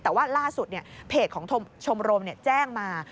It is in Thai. แต่ว่าล่าสุดเพจของชมรมแจ้งมา